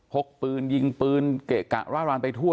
กปืนยิงปืนเกะกะร่ารานไปทั่ว